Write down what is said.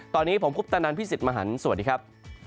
ตอนนี้ผมคุปตะนันพี่สิทธิ์มหันฯสวัสดีครับ